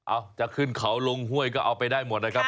เอาจะขึ้นเขาลงห้วยก็เอาไปได้หมดนะครับ